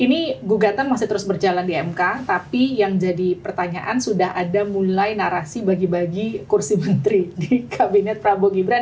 ini gugatan masih terus berjalan di mk tapi yang jadi pertanyaan sudah ada mulai narasi bagi bagi kursi menteri di kabinet prabowo gibran